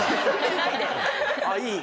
あっいい。